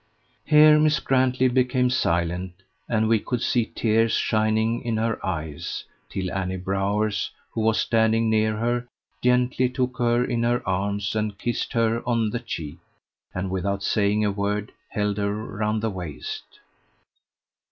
Here Miss Grantley became silent, and we could see tears shining in her eyes, till Annie Bowers, who was standing near her, gently took her in her arms and kissed her on the cheek, and without saying a word held her round the waist.